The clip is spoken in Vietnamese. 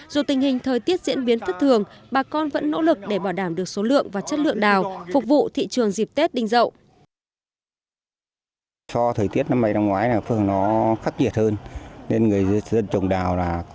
dù tình hình thời tiết diễn biến thất thường bà con vẫn nỗ lực để bảo đảm được số lượng và chất lượng đào phục vụ thị trường dịp tết đinh rậu